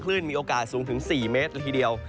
มีโอกาสสูงถึง๔เมตรละทีเดียว